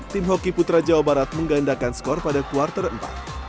tim hockey putra jawa barat menggandakan skor pada kuartal empat